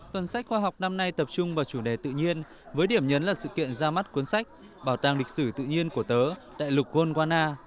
tuần sách khoa học năm nay tập trung vào chủ đề tự nhiên với điểm nhấn là sự kiện ra mắt cuốn sách bảo tàng lịch sử tự nhiên của tớ đại lục golana